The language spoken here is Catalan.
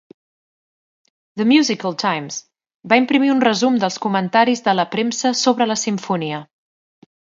"The Musical Times" va imprimir un resum dels comentaris de la premsa sobre la simfonia.